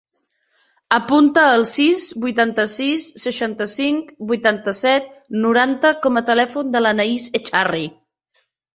Apunta el sis, vuitanta-sis, seixanta-cinc, vuitanta-set, noranta com a telèfon de l'Anaïs Echarri.